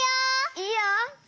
いいよ！